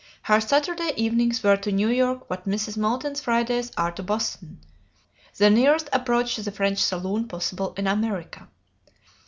Her Saturday evenings were to New York what Mrs. Moulton's Fridays are to Boston, the nearest approach to the French salon possible in America.